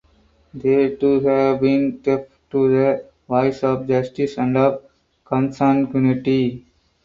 They too have been deaf to the voice of justice and of consanguinity.